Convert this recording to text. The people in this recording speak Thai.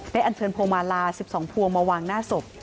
ได้อันเชิญโพงมาลาสิบสองพวงมาวางหน้าศพ